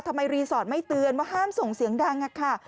ทำไมรีสอร์ทไม่เตือนว่าห้ามส่งเสียงดังค่ะ